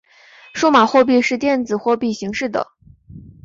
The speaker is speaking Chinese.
数码货币是电子货币形式的。